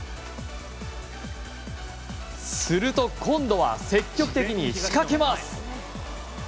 すると今度は積極的に仕掛けます。